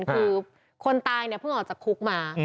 คือคนตายเนี่ยเพิ่งออกจากคุกมา